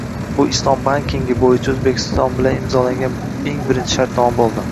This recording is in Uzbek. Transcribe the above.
Bu islom bankingi boʻyicha Oʻzbekiston bilan imzolangan eng birinchi shartnoma boʻldi.